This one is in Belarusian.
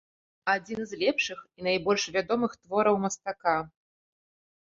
Адзін з лепшых і найбольш вядомых твораў мастака.